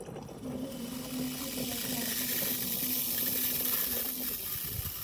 দুঃখের বিষয় হচ্ছে খেলাটির আন্তর্জাতিক সংস্থা ব্যাপারটি চেপে যাওয়ার চেষ্টা করছে।